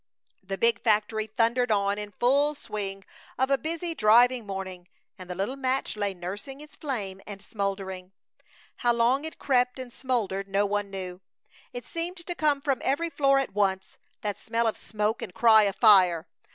The big factory thundered on in full swing of a busy, driving morning, and the little match lay nursing its flame and smoldering. How long it crept and smoldered no one knew. It seemed to come from every floor at once, that smell of smoke and cry of fire!